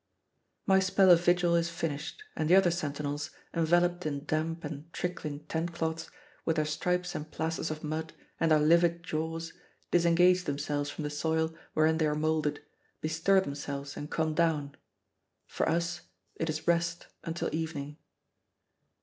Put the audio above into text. My spell of vigil is finished, and the other sentinels, enveloped in damp and trickling tent cloths, with their stripes and plasters of mud and their livid jaws, disengage themselves from the soil wherein they are molded, bestir themselves, and come down. For us, it is rest until evening.